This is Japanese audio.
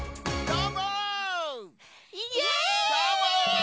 どーも！